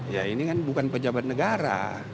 ya ini kan bukan pejabat negara